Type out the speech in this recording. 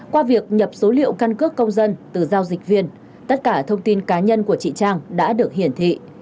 qua việc nhập số liệu căn cước công dân từ giao dịch viên tất cả thông tin cá nhân của chị trang đã được hiển thị